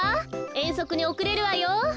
えんそくにおくれるわよ。